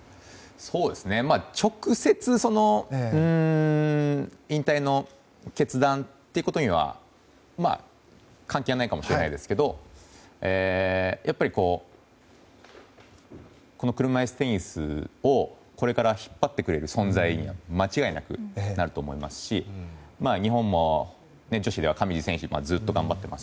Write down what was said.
直接引退の決断ということには関係ないかもしれないですけどこの車いすテニスをこれから引っ張ってくれる存在に間違いなくなると思いますし日本も女子では上地選手がずっと頑張ってます